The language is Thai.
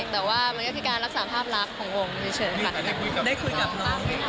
แต่ต้องรักษาภาพรักขององค์